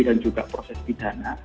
dan juga proses pidana